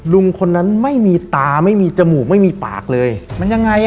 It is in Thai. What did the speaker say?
ลุงคนนั้นไม่มีตาไม่มีจมูกไม่มีปากเลยมันยังไงอ่ะ